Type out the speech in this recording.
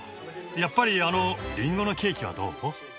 やっぱりあのりんごのケーキはどう？